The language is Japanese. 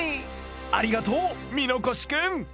ありがとう箕越くん。